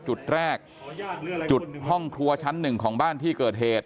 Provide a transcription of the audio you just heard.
จุดแรกจุดห้องครัวชั้นหนึ่งของบ้านที่เกิดเหตุ